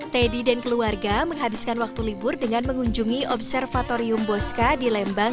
teddy dan keluarga menghabiskan waktu libur dengan mengunjungi observatorium bosca di lembang